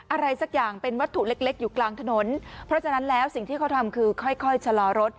อะไรสักอย่างเป็นวัตถุเล็กเล็กอยู่กลางถนนเพราะฉะนั้นแล้วสิ่งที่เขาทำคือค่อยค่อยชะลอรถ